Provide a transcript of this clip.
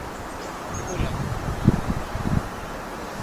Anahudhuria sherehe.